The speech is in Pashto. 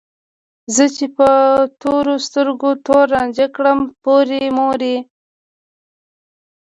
زه چې په تورو سترګو تور رانجه کړم پورې مورې